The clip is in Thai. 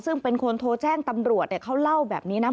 ซึ่งเป็นคนโทรแจ้งตำรวจเขาเล่าแบบนี้นะ